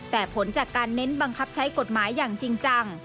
แต่ผลจากการเน้นบังคับใช้กฎหมายอย่างจริงจัง